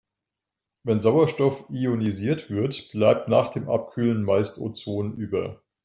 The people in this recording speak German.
Wenn Sauerstoff ionisiert wird, bleibt nach dem Abkühlen meist Ozon über.